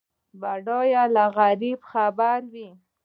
بډای له غریب خبر وي.